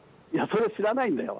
それ、知らないんだよ。